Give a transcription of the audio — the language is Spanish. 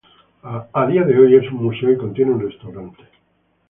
A día de hoy es un museo y contiene un restaurante.